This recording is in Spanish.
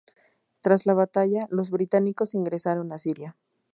Tras la batalla, los británicos ingresaron a Siria.